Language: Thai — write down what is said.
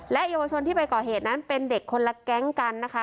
เยาวชนที่ไปก่อเหตุนั้นเป็นเด็กคนละแก๊งกันนะคะ